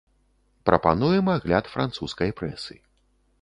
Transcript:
Прапануем агляд французскай прэсы.